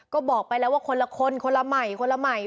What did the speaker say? ก็บอกไปแล้วว่าคนละคนคนละใหม่คนละใหม่